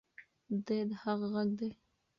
دی د حق غږ دی.